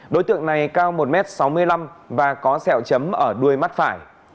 đối tượng này cao một m sáu mươi năm và có sẹo chấm ở đuôi mắt phải